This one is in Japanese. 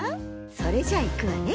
それじゃいくわね。